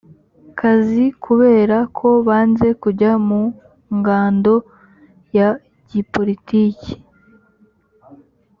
kazi kubera ko banze kujya mu ngando ya gipolitiki